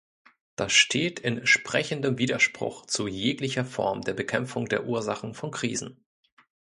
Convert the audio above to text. Das steht in sprechendem Widerspruch zu jeglicher Form der Bekämpfung der Ursachen von Krisen.